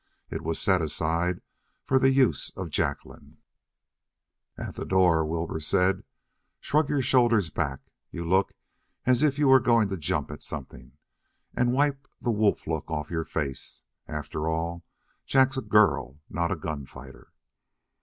It was set aside for the use of Jacqueline. At the door Wilbur said: "Shrug your shoulders back; you look as if you were going to jump at something. And wipe the wolf look off your face. After all, Jack's a girl, not a gunfighter."